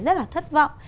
rất là thất vọng